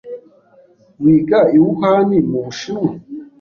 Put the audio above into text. wiga i Wuhan mu Bushinwa,